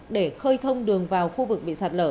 để khơi thông đường vào khu vực bị sạt lở